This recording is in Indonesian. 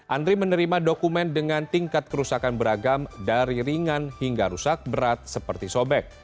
andri menerima dokumen dengan tingkat kerusakan beragam dari ringan hingga rusak berat seperti sobek